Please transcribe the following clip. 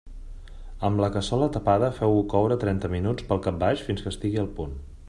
Amb la cassola tapada, feu-ho coure trenta minuts pel cap baix fins que estigui al punt.